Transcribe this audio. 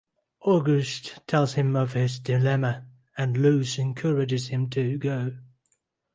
August tells him of his dilemma, and Louis encourages him to go.